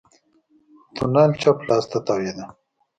تونل چپ لاس ته تاوېده.